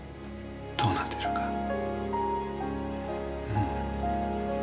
どうなってるか。